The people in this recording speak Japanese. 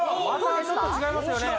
またちょっと違いますよね